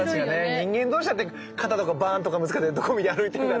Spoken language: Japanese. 人間同士だって肩とかバーンとかぶつかって「どこ見て歩いてるんだ」とか